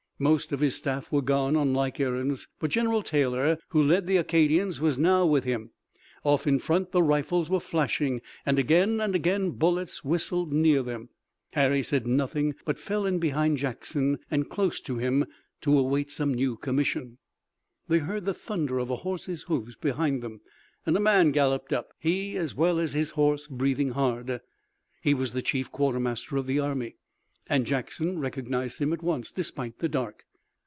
Most of his staff were gone on like errands, but General Taylor who led the Acadians was now with him. Off in front the rifles were flashing, and again and again, bullets whistled near them. Harry said nothing but fell in behind Jackson and close to him to await some new commission. They heard the thunder of a horse's hoofs behind them, and a man galloped up, he as well as his horse breathing hard. He was the chief quartermaster of the army, and Jackson recognized him at once, despite the dark.